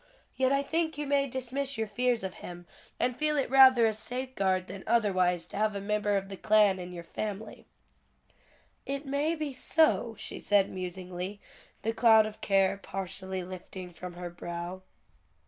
Yet I think you may dismiss your fears of him, and feel it rather a safeguard than otherwise to have a member of the Klan in your family." "It may be so," she said, musingly, the cloud of care partially lifting from her brow.